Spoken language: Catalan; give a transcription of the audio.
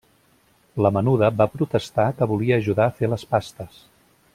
La menuda va protestar que volia ajudar a fer les pastes.